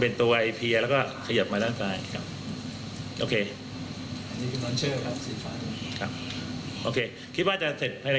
เป็นตัวไลปีแล้วก็ขยับมาด้านซ้ายครับโอเคโอเคคิดว่าจะเสร็จ